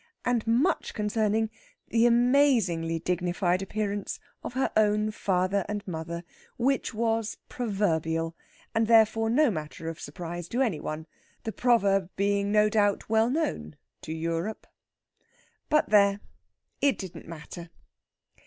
And much concerning the amazingly dignified appearance of her own father and mother, which was proverbial, and therefore no matter of surprise to any one, the proverb being no doubt well known to Europe. But there, it didn't matter!